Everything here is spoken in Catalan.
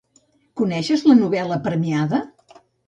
Coneixes la novel·la premiada?